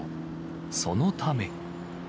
そのため。